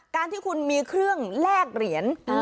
การที่คุณมีเครื่องแลกเหรียญ